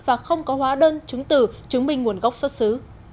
và không có hóa đơn chứng tử chứng minh nguồn gốc xuất xứ